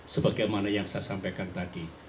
sebagaimana yang saya sampaikan tadi